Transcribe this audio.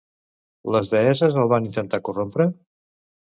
Les deesses el van intentar corrompre?